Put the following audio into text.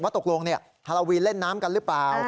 ว่าตกลงเนี่ยฮาโลวีนเล่นน้ำกันหรือเปล่า